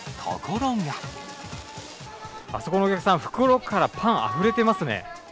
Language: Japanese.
あそこのお客さん、袋からパンあふれてますね。